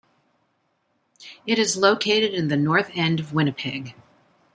It is located in the north end of Winnipeg.